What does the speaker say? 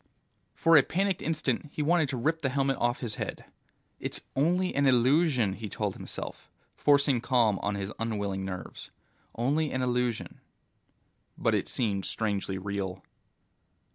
For a panicked instant he wanted to rip the helmet off his head. It's only an illusion, he told himself, forcing calm on his unwilling nerves. Only an illusion. But it seemed strangely real.